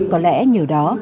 có lẽ nhờ đó